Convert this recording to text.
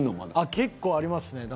結構ありますね。